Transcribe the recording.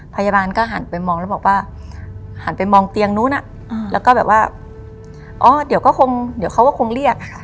พยาบาลก็หันไปมองแล้วบอกว่าหันไปมองเตียงนู้นแล้วก็แบบว่าอ๋อเดี๋ยวก็คงเดี๋ยวเขาก็คงเรียกค่ะ